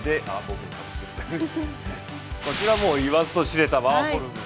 こちら、もう言わずと知れたワーホルム。